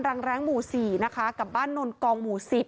รังแรงหมู่๔กับบ้านนนกองหมู่๔